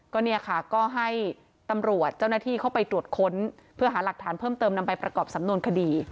ก็เนี่ยค่ะก็ให้ตำรวจเจ้าหน้าที่เข้าไปตรวจค้นเพื่อหาหลักฐานเพิ่มเติมนำไปประกอบสำนวนคดี